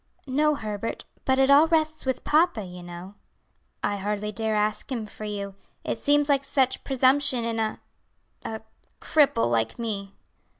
"No, Herbert; but it all rests with papa, you know." "I hardly dare ask him for you, it seems like such presumption in a a cripple like me."